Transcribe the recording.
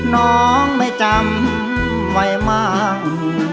น้องไม่จำไว้มั่ง